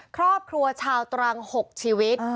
ครอบครัวชาวตรัง๖ชีวิต